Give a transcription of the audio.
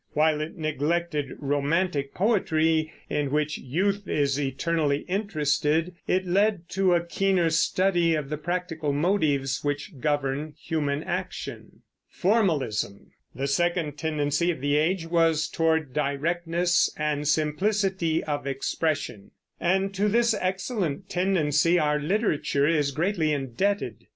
While it neglected romantic poetry, in which youth is eternally interested, it led to a keener study of the practical motives which govern human action. The second tendency of the age was toward directness and simplicity of expression, and to this excellent tendency our literature is greatly indebted.